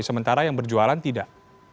sementara yang berjualan tidak